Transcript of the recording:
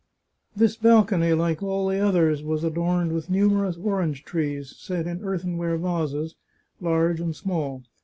This balcony, like all the others, was adorned with numerous orange trees, set in earthenware vases, large and small.